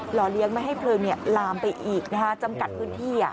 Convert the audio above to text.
ห่อเลี้ยงไม่ให้เพลิงลามไปอีกจำกัดพื้นที่